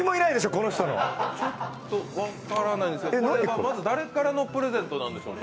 これはまず誰からのプレゼントなんでしょうか？